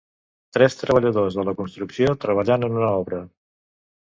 Tres treballadors de la construcció treballant en una obra.